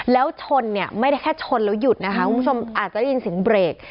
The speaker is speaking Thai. แล้วชนไม่ได้แค่ชนแล้วหยุดคุณผู้ชมอาจจะยินสิ่งเบรก